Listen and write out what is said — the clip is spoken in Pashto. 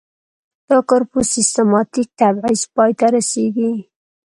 دا کار په سیستماتیک تبعیض پای ته رسیږي.